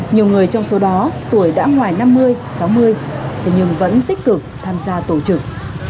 nhiều người trong số đó tuổi đã ngoài năm mươi sáu mươi thế nhưng vẫn tích cực tham gia tổ chức